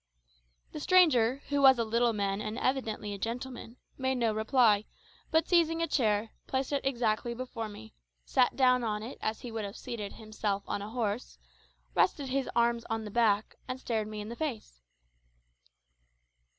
The stranger, who was a little man and evidently a gentleman, made no reply, but, seizing a chair, placed it exactly before me, sat down on it as he would have seated himself on a horse, rested his arms on the back, and stared me in the face.